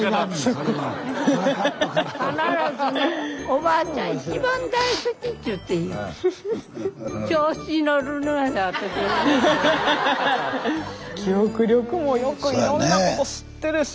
必ずね記憶力もよくいろんなこと知ってるし。